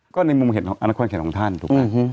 ก็ในมุมเห็นของอนาควรแข่งของท่านถูกไหมอื้อฮือ